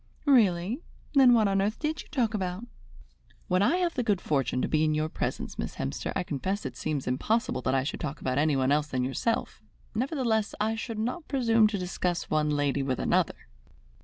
"Really? Then what on earth did you talk about?" "When I have the good fortune to be in your presence, Miss Hemster, I confess it seems impossible that I should talk about anyone else than yourself, nevertheless I should not presume to discuss one lady with another."